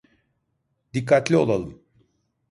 Dikkatli olalım.